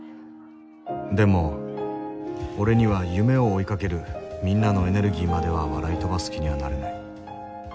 でも俺には夢を追いかけるみんなのエネルギーまでは笑い飛ばす気にはなれない。